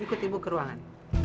ikut ibu ke ruangan